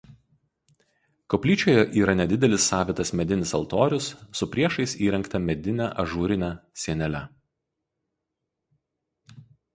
Koplyčioje yra nedidelis savitas medinis altorius su priešais įrengta medine ažūrine sienele.